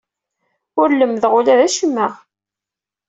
Ur lemmdeɣ ula d acemma.